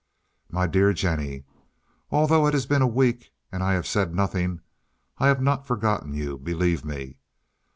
"MY DEAR JENNIE, Although it has been a week, and I have said nothing, I have not forgotten you—believe me.